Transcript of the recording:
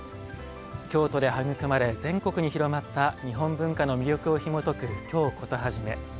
京都で育まれ全国に広まった日本文化の魅力をひもとく「京コトはじめ」。